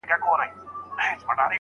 دواړي خویندي وې رنګیني ښایستې وې